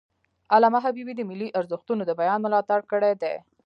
علامه حبیبي د ملي ارزښتونو د بیان ملاتړ کړی دی.